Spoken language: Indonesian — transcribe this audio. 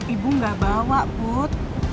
ibu gak bawa put